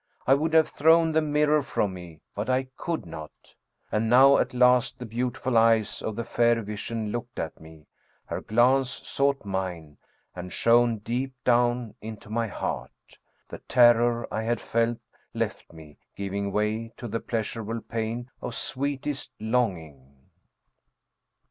I would have thrown the mirror from me, but I could not. And now at last the beautiful eyes of the fair vision looked at me, her glance sought mine and shone deep down into my heart. The terror I had felt left me, giving way to the pleasurable pain of sweetest longing.